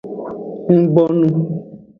Ng bonu.